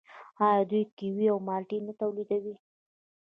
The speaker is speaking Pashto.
آیا دوی کیوي او مالټې نه تولیدوي؟